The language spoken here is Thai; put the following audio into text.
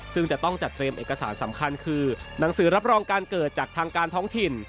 ซึ่งจะต้องจัดเตรียมเอกสารสำคัญคือหนังสือรับรองการเกิดจากทางการท้องถิ่น